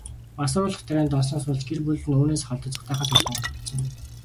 Мансууруулах тарианд донтсоноос болж, гэр бүлд нь түүнээс холдож, зугтаахаас өөр сонголт үлдсэнгүй.